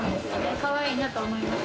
かわいいなと思います。